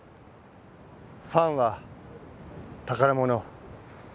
ファンは宝物。